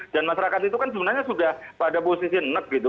dan masyarakat itu kan sebenarnya sudah pada posisi nek gitu